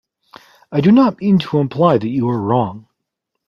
I do not mean to imply you are wrong.